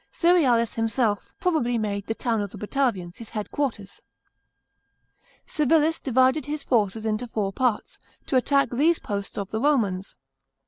Cerealis himself probably made the " town of the Batavians " his headquarters. Civilis divided his forces into four parts, to attack these posts of the Romans.